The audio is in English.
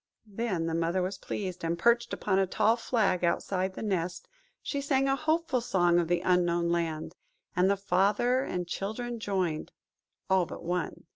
Then the Mother was pleased, and, perched upon a tall flag outside the nest, she sang a hopeful song of the Unknown Land; and the father and children joined–all but one!